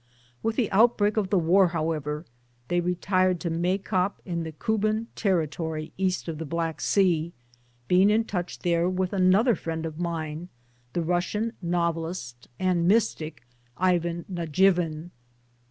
With the outbreak of the war however they retired to Maikop in the Kuban Territory (east pf the Black Sea), being 1 in touch there with another friend of mine, the Russian novelist and mystic, Ivan Najivin.